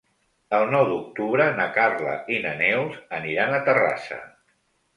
El nou d'octubre na Carla i na Neus aniran a Terrassa.